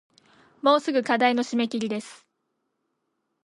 もうすぐ課題の締切です